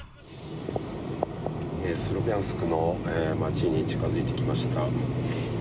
スラビャンスクの街に近づいてきました。